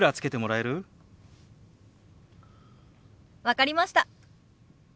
分かりました。